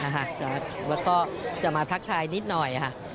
แล้วก็จะมาทักทายนิดหน่อยค่ะ